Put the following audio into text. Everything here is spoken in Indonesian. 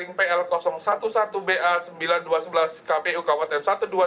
kpu kabupaten satu dua ribu delapan belas